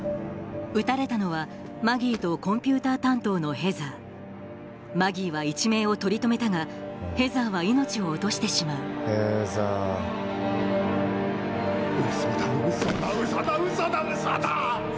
撃たれたのはマギーとコンピューター担当のヘザーマギーは一命を取り留めたがヘザーは命を落としてしまうウソだウソだウソだウソだウソだ！